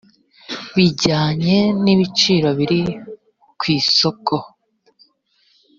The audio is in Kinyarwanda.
bijyanye n ibiciro biri ku isoko